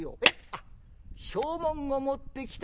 あっ証文を持ってきた？